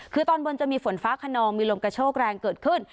คือตอนบนจะมีฝนฟ้าขนองมีลมกระโชกแรงเกิดขึ้น